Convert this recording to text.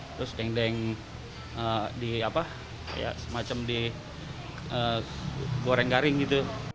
terus dendeng di apa kayak semacam di goreng garing gitu